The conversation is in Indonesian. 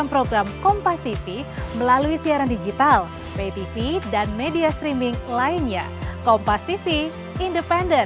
mungkin demikian yang mulia ketua dan hakim mahkamah konstitusi dari berbagai pertanyaan yang sesuai dengan bagian kami